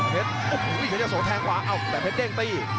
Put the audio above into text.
แสนเพชรโอ้โหยังจะโสแทงขวาเอ้าแสนเพชรเด้งตี